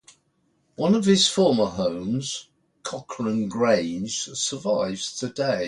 One of his former homes, Cochran Grange, survives today.